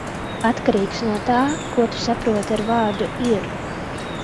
Atkarīgs no tā, ko tu saproti ar vārdu "ir".